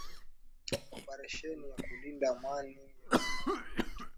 operesheni ya kulinda Amani ya Umoja wa mataifa